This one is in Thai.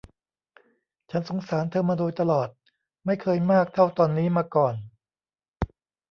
ฉันสงสารเธอมาโดยตลอด ไม่เคยมากเท่าตอนนี้มาก่อน